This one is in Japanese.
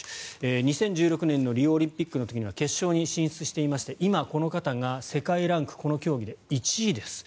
２０１６年のリオオリンピックの時には決勝に進出していまして今、この方が世界ランクこの競技で１位です。